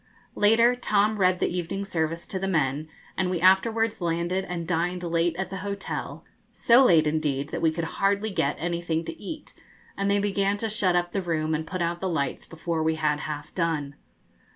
Later, Tom read the evening service to the men, and we afterwards landed and dined late at the hotel; so late, indeed, that we could hardly get anything to eat, and they began to shut up the room and put out the lights before we had half done.